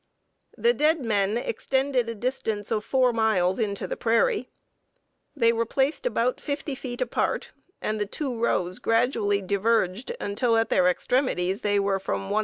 The "dead men" extended a distance of 4 miles into the prairie. They were placed about 50 feet apart, and the two rows gradually diverged until at their extremities they were from 11/2 to 2 miles apart.